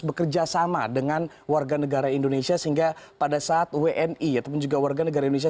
bekerja sama dengan warga negara indonesia sehingga pada saat wni ataupun juga warga negara indonesia